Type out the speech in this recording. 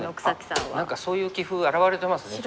何かそういう棋風表れてますね